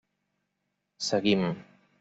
Seguim.